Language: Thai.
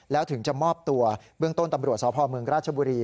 แล้วถึงจะมอบตัวเบื้องต้นตำรวจสพเมืองราชบุรี